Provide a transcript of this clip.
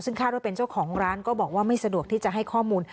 ซึ่งคาดว่าเป็นเจ้าของร้านก็บอกว่าไม่สะดวกที่จะให้ข้อมูล